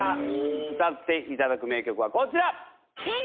歌っていただく名曲はこちら。